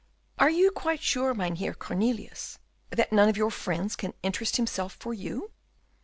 "Are you quite sure, Mynheer Cornelius, that none of your friends can interest himself for you?"